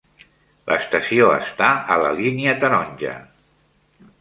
L'estació està a la línia taronja.